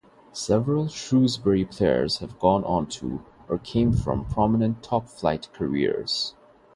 Several Shrewsbury players have gone onto, or came from prominent top-flight careers.